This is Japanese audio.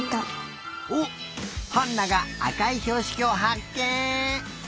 おっハンナがあかいひょうしきをはっけん！